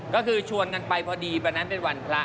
ก็คือชวนกันไปพอดีวันนั้นเป็นวันพระ